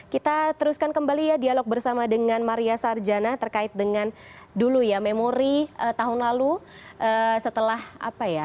kita teruskan kembali ya dialog bersama dengan maria sarjana terkait dengan dulu ya memori tahun lalu setelah apa ya